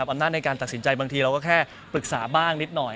อำนาจในการตัดสินใจบางทีเราก็แค่ปรึกษาบ้างนิดหน่อย